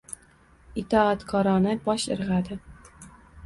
itoatkorona bosh irg‘adi.